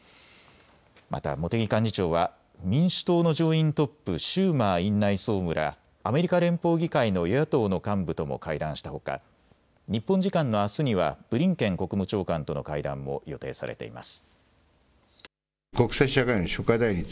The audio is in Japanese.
また茂木幹事長は民主党の上院トップ、シューマー院内総務らアメリカ連邦議会の与野党の幹部とも会談したほか、日本時間のあすにはブリンケン国務長官との会談も予定されています。